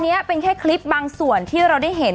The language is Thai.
อันนี้เป็นแค่คลิปบางส่วนที่เราได้เห็น